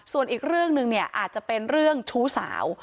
ส่วนอีกเรื่องหนึ่งเนี่ยอาจจะเป็นเรื่องชู้สาว